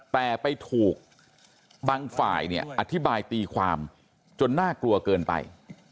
แต่ไปถูกบางฝ่ายเนี่ยอธิบายตีความจนน่ากลัวเกินไป